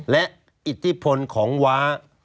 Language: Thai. และอิทธิพลของว้า